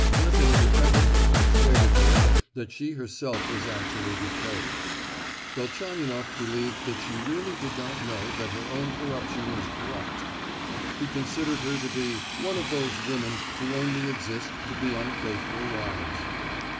Nothing could ever have persuaded her that she herself was actually depraved; Velchaninoff believed that she really did not know that her own corruption was corrupt. He considered her to be "one of those women who only exist to be unfaithful wives."